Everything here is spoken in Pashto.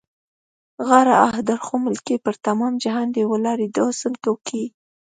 غاړه؛ آ، درخو ملکې! پر تمام جهان دې ولاړې د حُسن کوکې.